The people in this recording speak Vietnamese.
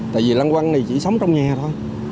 tại vì lăng quăng này chỉ sống trong nhà thôi